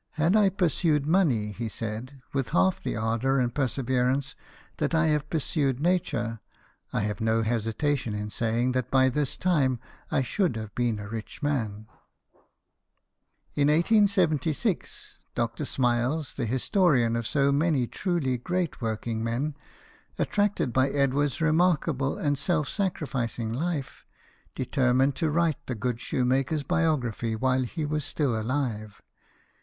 " Had I pursued money," he said, " with half the ardour and per severance that I have pursued nature, I have no hesitation in saying that by this time I should have been a rich man." In 1876, Dr. Smiles, the historian of so many truly great working men, attracted by Edward's remarkable and self sacrificing life, determined to write the good shoemaker's biography while he was still alive.